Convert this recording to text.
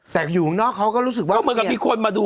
แต่อยู่ตรงนอกเขารู้สึกว่ามันไม่เข้าใจ